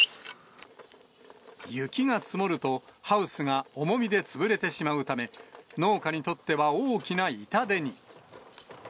雪が積もると、ハウスが重みで潰れてしまうため、農家にとっては大きな痛手に。